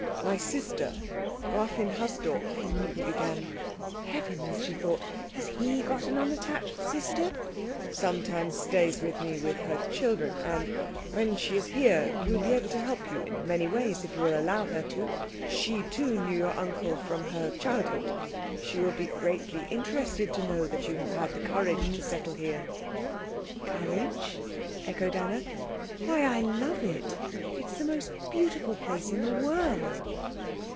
"My sister, Gräfin Hasdorf," he began "Heavens," she thought, "has he got an unattached sister?" "sometimes stays with me with her children, and when she is here will be able to help you in many ways if you will allow her to. She too knew your uncle from her childhood. She will be greatly interested to know that you have had the courage to settle here." "Courage?" echoed Anna. "Why, I love it. It's the most beautiful place in the world."